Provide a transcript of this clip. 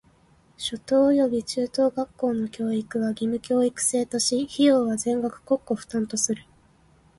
初等および中等学校の教育は義務制とし、費用は全額国庫負担とする。